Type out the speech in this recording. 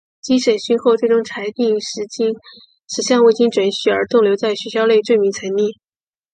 经审讯后最终裁定十项未经准许而逗留在学校内罪名成立。